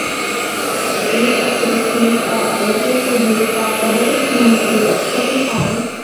These facilities are available for use by the local community at certain times.